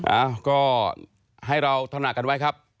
อ้าวก็ให้เราถนัดกันไว้ครับ